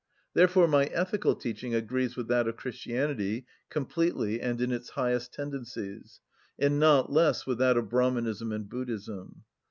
Therefore my ethical teaching agrees with that of Christianity, completely and in its highest tendencies, and not less with that of Brahmanism and Buddhism.